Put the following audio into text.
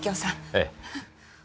ええ。